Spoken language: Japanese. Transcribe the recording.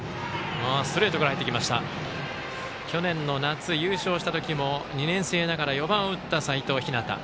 去年の夏、優勝した時も２年生ながら４番を打った齋藤陽。